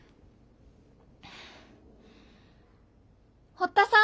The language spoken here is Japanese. ・堀田さん。